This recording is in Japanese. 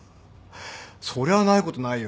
そりゃないことないよ。